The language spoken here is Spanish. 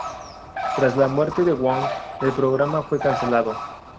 Tras la muerte de Wong, el programa fue cancelado.